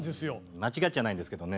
間違っちゃないんですけどね